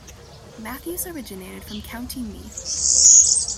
Matthews originated from County Meath.